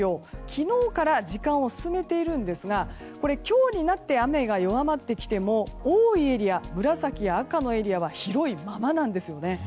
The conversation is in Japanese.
昨日から時間を進めているんですが今日になって雨が弱まってきても多いエリア、紫や赤のエリアは広いままなんですよね。